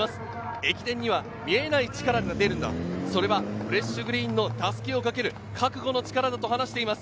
駅伝には見えない力が出る、それはフレッシュグリーンの襷をかける覚悟の力だと話しています。